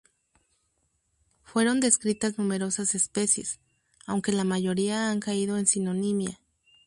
Fueron descritas numerosas especies, aunque la mayoría han caído en sinonimia.